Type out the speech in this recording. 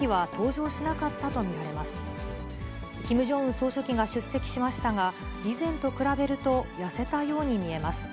総書記が出席しましたが、以前と比べると痩せたように見えます。